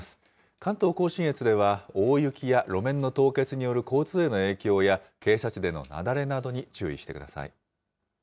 関東甲信越では大雪や路面の凍結による交通への影響や、傾斜地での雪崩などに注意してください。